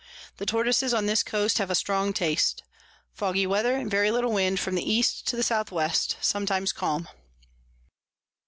The Tortoises on this Coast have a strong Taste. Foggy Weather, and very little Wind from the East to the S W. sometimes calm.